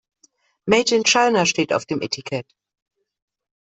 Made in China steht auf dem Etikett.